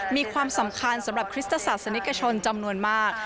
มีความสำคัญสำหรับคริสตศาสนิกชนจำนวนมาก